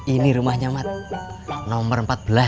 ini rumahnya nomor empat belas